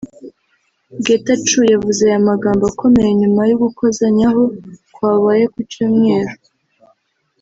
Getachew yavuze aya magambo akomeye nyuma y’ugukozanyaho kwabaye ku Cyumweru